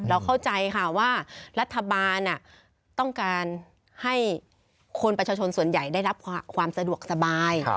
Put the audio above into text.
เข้าใจค่ะว่ารัฐบาลต้องการให้คนประชาชนส่วนใหญ่ได้รับความสะดวกสบาย